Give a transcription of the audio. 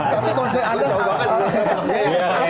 tapi concern anda sama banget